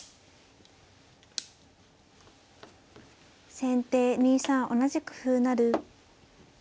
先手２三同じく歩成。